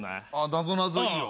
なぞなぞいいよ。